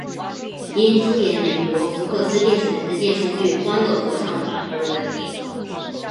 因出演美国福克斯电视台的电视剧欢乐合唱团而闻名。